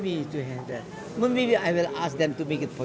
mungkin aku akan minta mereka buat untuk kamu